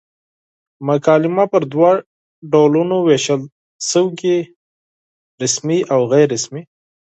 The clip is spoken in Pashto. مقاله پر دوه ډولونو وېشل سوې؛ رسمي او غیري رسمي.